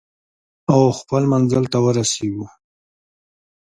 او خپل منزل ته ورسیږو.